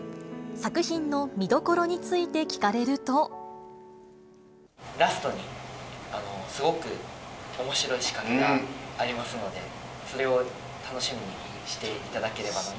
作品の見どころについて聞かれるラストに、すごくおもしろい仕掛けがありますので、それを楽しみにしていただければなと。